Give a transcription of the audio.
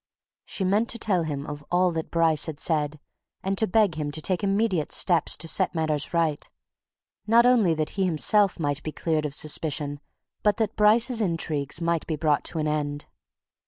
She meant to tell him of all that Bryce had said and to beg him to take immediate steps to set matters right, not only that he himself might be cleared of suspicion but that Bryce's intrigues might be brought to an end.